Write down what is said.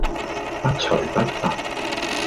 不徐不疾